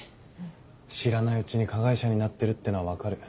知らないうちに加害者になってるってのは分かる。